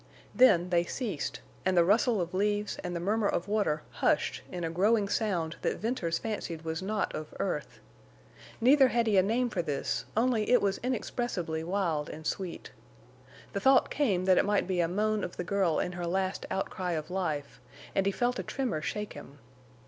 Then they ceased, and the rustle of leaves and the murmur of water hushed in a growing sound that Venters fancied was not of earth. Neither had he a name for this, only it was inexpressibly wild and sweet. The thought came that it might be a moan of the girl in her last outcry of life, and he felt a tremor shake him.